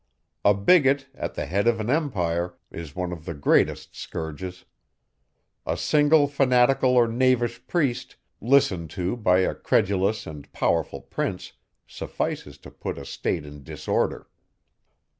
A bigot, at the head of an empire, is one of the greatest scourges. A single fanatical or knavish priest, listened to by a credulous and powerful prince, suffices to put a state in disorder.